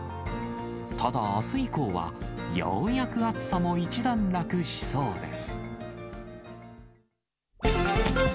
ただ、あす以降は、ようやく暑さも一段落しそうです。